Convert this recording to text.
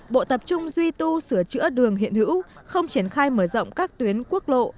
bộ tập trung duy tu sửa chữa đường hiện hữu không triển khai mở rộng các tuyến quốc lộ